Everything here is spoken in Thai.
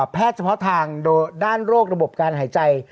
เฉพาะทางด้านโรคระบบการหายใจ